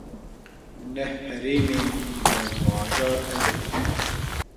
Neh heremên berbajar, ev in: